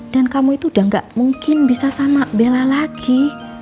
dan kamu itu udah gak mungkin bisa sama bella lagi